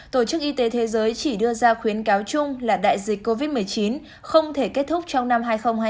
tổ chức y tế thế giới chỉ đưa ra khuyến cáo chung là đại dịch covid một mươi chín không thể kết thúc trong năm hai nghìn hai mươi